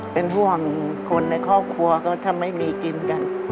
เป็นห่วงคนในครอบครัวก็ถ้าไม่มีกินกัน